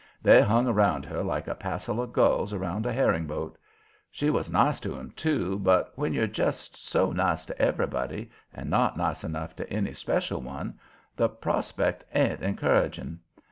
They hung around her like a passel of gulls around a herring boat. She was nice to 'em, too, but when you're just so nice to everybody and not nice enough to any special one, the prospect ain't encouraging.